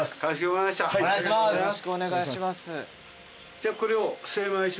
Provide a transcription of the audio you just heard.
じゃあこれを。